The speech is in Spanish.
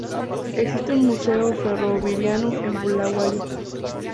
Existe un museo ferroviario en Bulawayo.